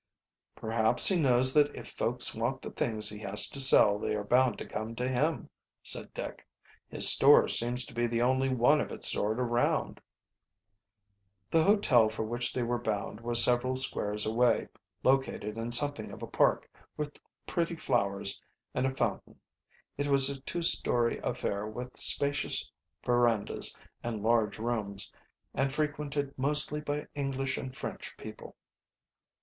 "Perhaps he knows that if folks want the things he has to sell they are bound to come to him," said Dick. "His store seems to be the only one of its sort around." The hotel for which they were bound was several squares away, located in something of a park, with pretty flowers and a fountain. It was a two story affair, with spacious verandas and large rooms, and frequented mostly by English and French people.